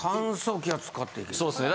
そうっすね。